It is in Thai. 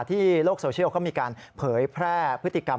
โลกโซเชียลเขามีการเผยแพร่พฤติกรรม